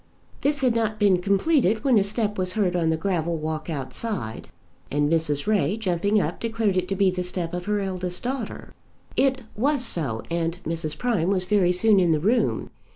This had not been completed when a step was heard on the gravel walk outside, and Mrs. Ray, jumping up, declared it to be the step of her eldest daughter. It was so, and Mrs. Prime was very soon in the room.